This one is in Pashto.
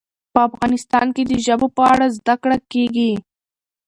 په افغانستان کې د ژبو په اړه زده کړه کېږي.